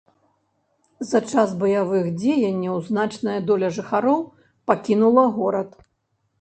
За час баявых дзеянняў значная доля жыхароў пакінула горад.